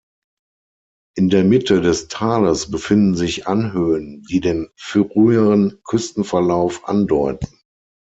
In der Mitte des Tales befinden sich Anhöhen, die den früheren Küstenverlauf andeuten.